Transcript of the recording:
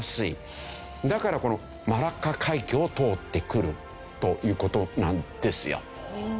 だからこのマラッカ海峡を通ってくるという事なんですよ。